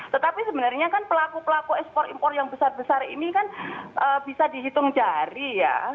tetapi sebenarnya kan pelaku pelaku ekspor impor yang besar besar ini kan bisa dihitung jari ya